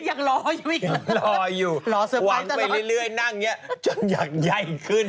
ยังรออยู่รออยู่หวังไปเรื่อยนั่งอย่างนี้จนอยากใหญ่ขึ้น